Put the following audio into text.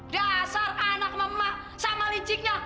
dasar anak sama liciknya